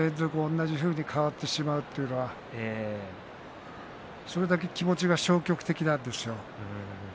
同じように変わってしまうというのはそれだけ気持ちが消極的なんですよ。